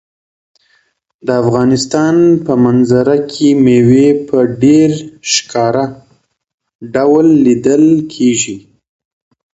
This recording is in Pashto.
د افغانستان په منظره کې مېوې په ډېر ښکاره ډول لیدل کېږي.